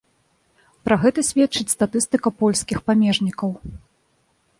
Пра гэта сведчыць статыстыка польскіх памежнікаў.